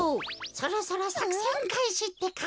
そろそろさくせんかいしってか。